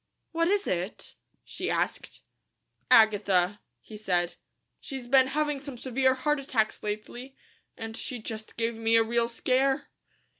"What is it?" she asked. "Agatha," he said. "She's been having some severe heart attacks lately, and she just gave me a real scare."